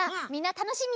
たのしみ！